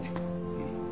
うん。